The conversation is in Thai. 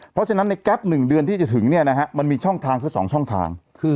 เพราะฉะนั้นในแก๊ป๑เดือนที่จะถึงเนี่ยนะฮะมันมีช่องทางแค่๒ช่องทาง